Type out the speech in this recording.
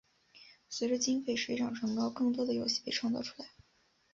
随着经费水涨船高更多的游戏被创造出来。